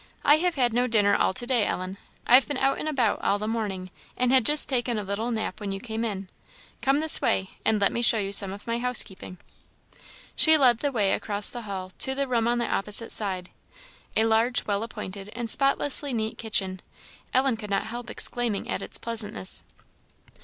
I have had no dinner at all to day, Ellen; I have been out and about all the morning, and had just taken a little nap when you came in. Come this way, and let me show you some of my house keeping." She led the way across the hall to the room on the opposite side; a large, well appointed, and spotlessly neat kitchen. Ellen could not help exclaiming at its pleasantness.